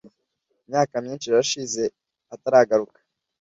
’imyaka myinshi irashije ataragaruka